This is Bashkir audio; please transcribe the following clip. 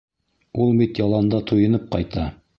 Ул бит яланда туйынып ҡайта.